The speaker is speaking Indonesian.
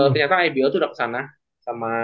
ternyata ibl tuh udah kesana sama